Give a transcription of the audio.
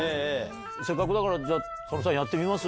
せっかくだから佐野さんやってみます？